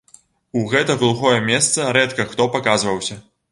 У гэта глухое месца рэдка хто паказваўся.